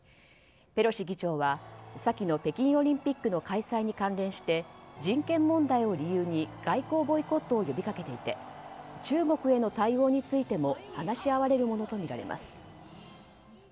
ペロシ議長は先の北京オリンピックの開催に関連して人権問題を理由に外交ボイコットを呼び掛けていて中国への対応についても話し合われるものとみられます。